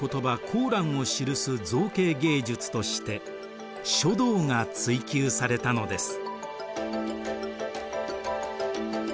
コーランを記す造形芸術として書道が追求されたのです。